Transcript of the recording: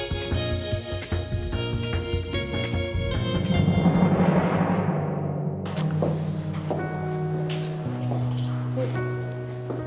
gue udah selesai